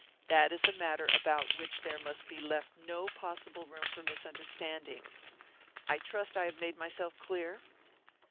That is a matter about which there must be left no possible room for misunderstanding. I trust I have made myself clear?"